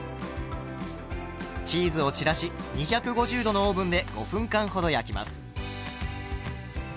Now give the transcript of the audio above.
チーズを散らし２５０℃のオーブンで５分間ほど焼きます。